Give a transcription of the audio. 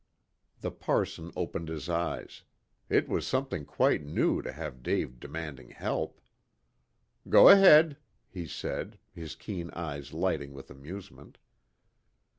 The parson opened his eyes. It was something quite new to have Dave demanding help. "Go ahead," he said, his keen eyes lighting with amusement.